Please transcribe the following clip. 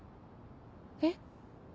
えっ？